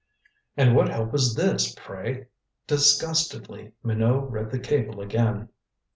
And what help was this, pray? Disgustedly Minot read the cable again.